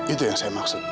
itu yang saya maksud